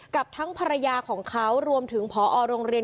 กับทั้งภรรยาของเขารวมถึงพอโรงเรียน